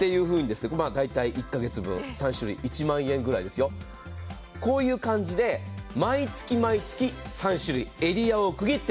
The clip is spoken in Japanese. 大体１か月分、３種類１万円くらいですよ、こういう感じで毎月毎月３種類、エリアを区切って。